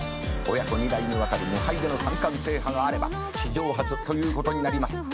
「親子２代にわたる無敗での三冠制覇があれば史上初ということになります」